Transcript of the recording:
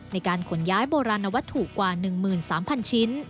ในการขนย้ายโบราณวัตถุกว่า๑๓๐๐๐ชิ้น